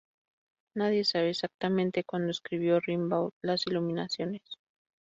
Nadie sabe exactamente cuándo escribió Rimbaud "Las Iluminaciones".